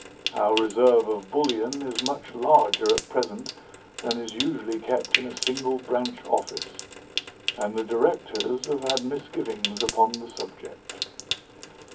Our reserve of bullion is much larger at present than is usually kept in a single branch office, and the directors have had misgivings upon the subject."